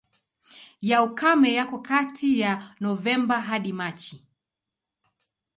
Ya ukame yako kati ya Novemba hadi Machi.